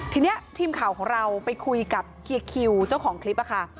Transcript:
ทีนี้ทีมข่าวของเราไปคุยกับเฮียคิวเจ้าของคลิปค่ะ